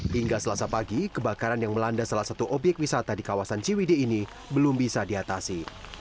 hingga selasa pagi kebakaran yang melanda salah satu obyek wisata di kawasan ciwide ini belum bisa diatasi